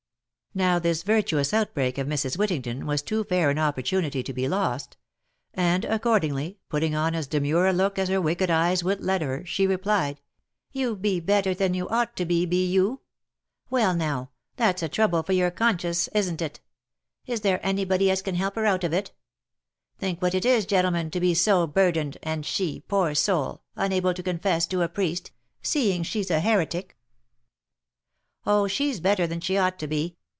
Now this virtuous outbreak of Mrs. Wittington, was too fair an opportunity to be lost ; and accordingly, putting on as demure a look as her wicked eyes would let her, she replied, " You be better than you ought to be, be you ? Well now, that's a trouble for your con scious, isn't it ?— Is there nobody as can help her out of it ?— Think what it is, gentlemen, to be so burdened, and she, poor soul, un able to confess to a priest, seeing she's a heretic !— Oh ! she's better than she ought to be